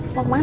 eh mau kemana